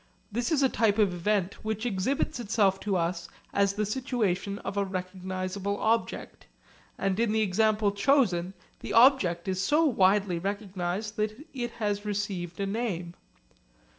This is a type of event which exhibits itself to us as the situation of a recognisable object; and in the example chosen the object is so widely recognised that it has received a name.